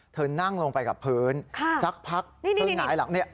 เธอนั่งลงไปกับพื้นสักพักเธอหงายหลังเนี่ย